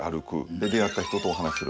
で出会った人とお話する。